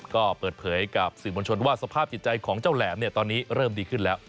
ก็เปิดเผยกับสื่อมวลชนว่าสภาพจิตใจของเจ้าแหลมตอนนี้เริ่มดีขึ้นแล้ว